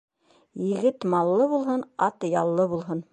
Егет маллы булһын, ат яллы булһын.